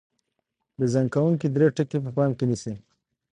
ډیزاین کوونکي درې ټکي په پام کې نیسي.